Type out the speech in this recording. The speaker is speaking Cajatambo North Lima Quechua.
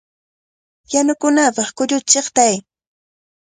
¡Yanukunapaq kulluta chiqtay!